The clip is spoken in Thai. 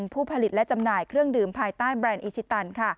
ผู้ผลิตและจำหน่ายเครื่องดื่มภายใต้แบรนด์อิชิตัน